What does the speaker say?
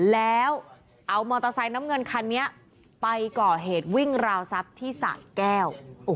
แล้วเอามอเตอร์ไซค์น้ำเงินคันนี้ไปก่อเหตุวิ่งราวทรัพย์ที่สะแก้ว